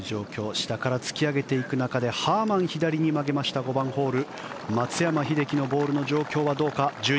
下から突き上げていく中でハーマン、左に曲げましたあたらしいプレモル！